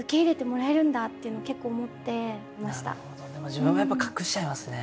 自分もやっぱ隠しちゃいますね